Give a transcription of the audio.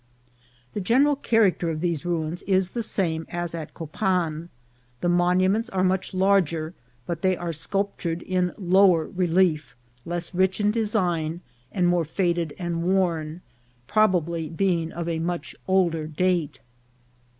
The general character of these ruins is the same as at Copan. The monuments are much larger, but they are sculptured in lower relief, less rich in design, and more faded and worn, probably being of a much older date.